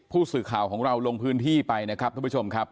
ผู้สื่อข่าวของเราลงพื้นที่ไปนะครับทุกผู้ชมครับ